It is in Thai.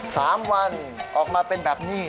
สามวันออกมาเป็นแบบนี้